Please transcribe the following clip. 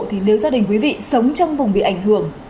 thì nếu gia đình quý vị sống trong vùng bị ảnh hưởng